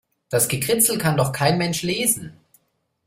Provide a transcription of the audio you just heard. Das Gekritzel kann doch kein Mensch lesen.